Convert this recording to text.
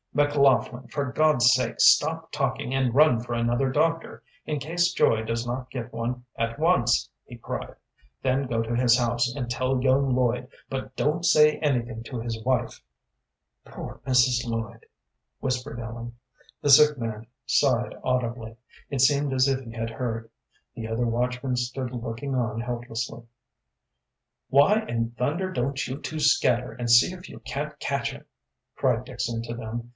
"McLaughlin, for God's sake stop talking and run for another doctor, in case Joy does not get one at once," he cried; "then go to his house, and tell young Lloyd, but don't say anything to his wife." "Poor Mrs. Lloyd," whispered Ellen. The sick man sighed audibly. It seemed as if he had heard. The other watchmen stood looking on helplessly. "Why in thunder don't you two scatter, and see if you can't catch him," cried Dixon to them.